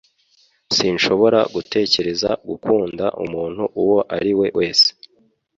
Sinshobora gutekereza gukunda umuntu uwo ari we wese.